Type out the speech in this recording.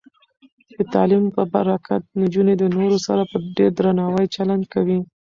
د تعلیم په برکت، نجونې د نورو سره په ډیر درناوي چلند کوي.